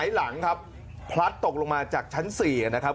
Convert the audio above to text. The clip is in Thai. หลังครับพลัดตกลงมาจากชั้น๔นะครับ